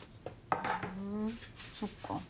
ふんそっか。